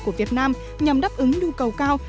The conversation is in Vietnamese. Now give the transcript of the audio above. của việt nam nhằm đáp ứng nhu cầu cao